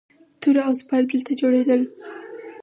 توره او سپر دلته جوړیدل